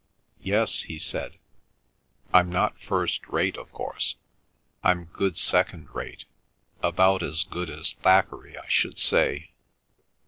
"Yes," he said. "I'm not first rate, of course; I'm good second rate; about as good as Thackeray, I should say."